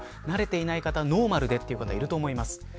慣れていない方はノーマルでという方、いると思います。